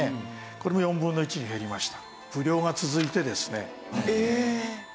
これも４分の１に減りました。